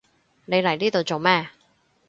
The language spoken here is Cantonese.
你嚟呢度做咩？